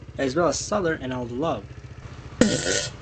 As well as "stellar" and "All The Love".